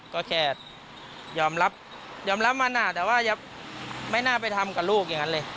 ก็แค่ยอมรับยอมรับมันแต่ว่าไม่น่าไปทำกับลูกอย่างนั้นเลย